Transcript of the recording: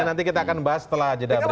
nanti kita akan bahas setelah jeda berikut